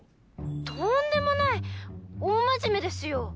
とんでもない大真面目ですよ